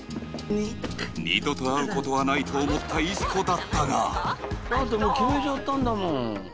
二度と会うことはないと思った石子だったがだってもう決めちゃったんだもん